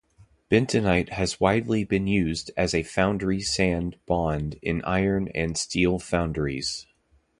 Bentonite has been widely used as a foundry-sand bond in iron and steel foundries.